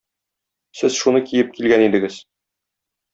Сез шуны киеп килгән идегез.